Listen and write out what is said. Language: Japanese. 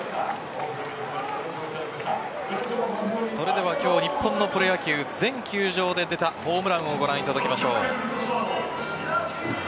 それでは今日日本のプロ野球、全球場で出たホームランをご覧いただきましょう。